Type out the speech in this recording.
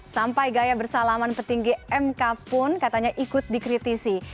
sampai gaya bersalaman petinggi mk pun katanya ikut dikritisi